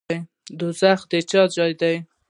دوزخ د چا ځای دی؟